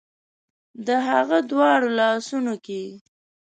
د هغه دواړو لاسونو کې